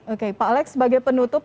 oke pak alex sebagai penutup